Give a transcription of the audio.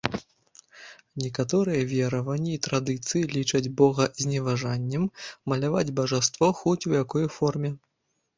Некаторыя вераванні і традыцыі лічаць богазневажаннем маляваць бажаство хоць у якой форме.